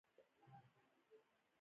خلکو په خپلو کورونو کې دا خبرې کولې.